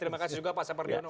terima kasih juga pak sapardiano